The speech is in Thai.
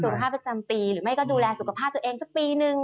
สุขภาพประจำปีหรือไม่ก็ดูแลสุขภาพตัวเองสักปีนึง